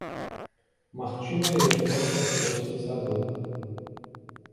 Магчыма, яе проста хтосьці забыў.